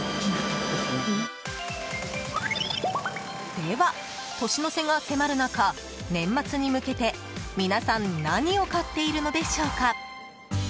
では、年の瀬が迫る中年末に向けて皆さん何を買っているのでしょうか。